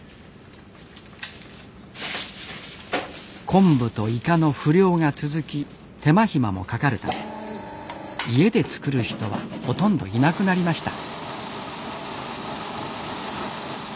昆布とイカの不漁が続き手間暇もかかるため家で作る人はほとんどいなくなりました。